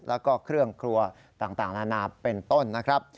แล้วก็เครื่องครัวต่างนานาเป็นต้นนะครับ